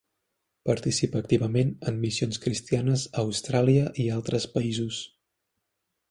Participa activament en missions cristianes a Austràlia i altres països.